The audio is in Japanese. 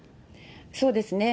そうですね。